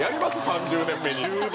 ３０年目に。